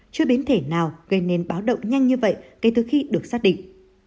chưa biến thể nào gây nên báo động nhanh như vậy kể từ khi được xác định